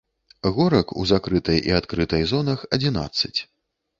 Горак у закрытай і адкрытай зонах адзінаццаць.